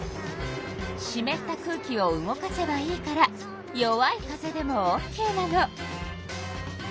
しめった空気を動かせばいいから弱い風でもオッケーなの。